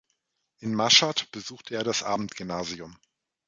In Maschhad besuchte er das Abendgymnasium.